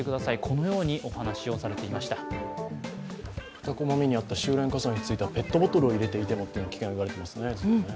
２コマ目にあった収れん火災についてはペットボトルを入れていても危険があると言われていますね。